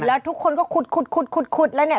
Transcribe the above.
แล้วทุกคนก็ขุดแล้วเนี่ย